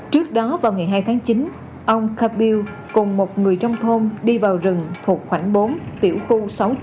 trước đó vào ngày hai tháng chín ông ca biu cùng một người trong thôn đi vào rừng thuộc khoảnh bốn tiểu khu sáu trăm chín mươi chín